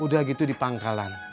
udah gitu di pangkalan